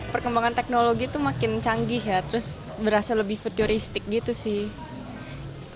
perkembangan teknologi itu makin canggih ya terus berasa lebih futuristik gitu sih